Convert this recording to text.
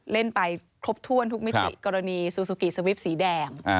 เล่นไปครบถ้วนทุกมิติกรณีซูซูกิสวิปสีแดง